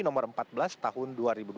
nomor empat belas tahun dua ribu dua puluh